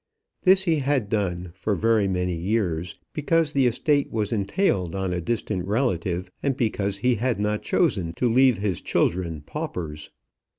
This he had done for very many years, because the estate was entailed on a distant relative, and because he had not chosen to leave his children paupers.